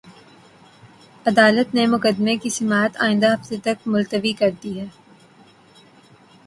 عدالت نے مقدمے کی سماعت آئندہ ہفتے تک ملتوی کر دی ہے